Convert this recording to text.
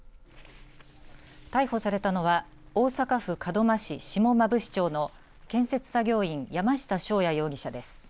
逮捕されたのは大阪府門真市下馬伏町の建設作業員山下翔也容疑者です。